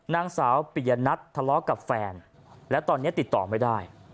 นางสาวปิยนัททะเลาะกับแฟนและตอนนี้ติดต่อไม่ได้